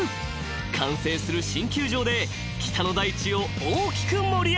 ［完成する新球場で北の大地を大きく盛り上げる］